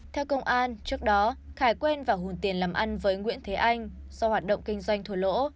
theo công an trước đó khải quen và hùn tiền làm ăn với nguyễn thế anh do hoạt động kinh doanh thua lỗ